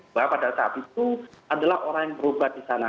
bahwa pada saat itu adalah orang yang berubah di sana